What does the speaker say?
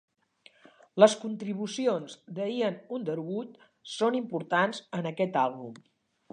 Les contribucions d'Ian Underwood són importants en aquest àlbum.